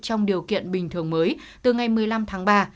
trong điều kiện bình thường mới từ ngày một mươi năm tháng ba